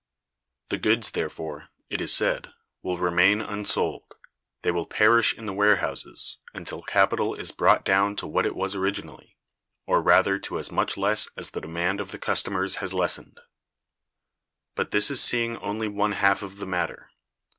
The goods, therefore (it is said), will remain unsold; they will perish in the warehouses, until capital is brought down to what it was originally, or rather to as much less as the demand of the customers has lessened. But this is seeing only one half of the matter.